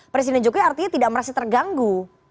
presiden jokowi artinya tidak merasa terganggu